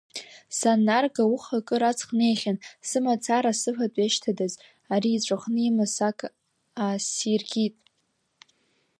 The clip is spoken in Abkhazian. Саннарга ауха акыр аҵх неихьан, сымацара сыфатә иашьҭадаз, ари иҵәахны имаз сак аасиркит.